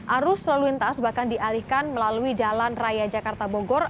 arus lalu lintas bahkan dialihkan melalui jalan raya jakarta bogor